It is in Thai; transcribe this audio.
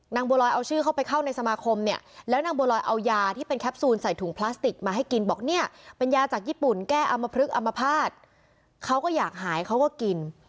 บัวลอยเอาชื่อเข้าไปเข้าในสมาคมเนี่ยแล้วนางบัวลอยเอายาที่เป็นแคปซูลใส่ถุงพลาสติกมาให้กินบอกเนี่ยเป็นยาจากญี่ปุ่นแก้อำมพลึกอมภาษณ์เขาก็อยากหายเขาก็กิน